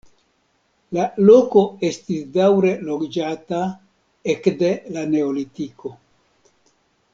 La loko estis daŭre loĝata ekde la neolitiko.